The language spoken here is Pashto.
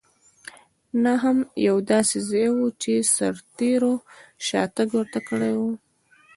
نه هم یو داسې ځای و چې سرتېرو شاتګ ورته کړی وای.